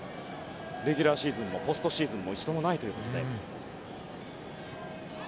レギュラーシーズンもポストシーズンも１度もないということで。